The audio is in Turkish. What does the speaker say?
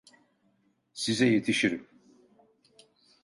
Size yetişirim.